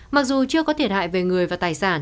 mặc dù chưa có thiệt hại về người và tài sản